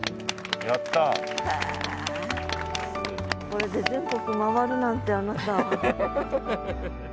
これで全国回るなんてあなた。